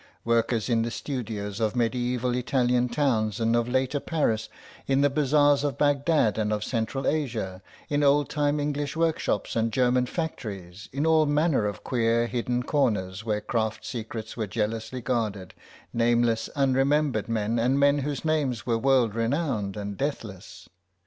Workers in the studios of medieval Italian towns and of later Paris, in the bazaars of Baghdad and of Central Asia, in old time English workshops and German factories, in all manner of queer hidden corners where craft secrets were jealously guarded, nameless unremembered men and men whose names were world renowned and deathless.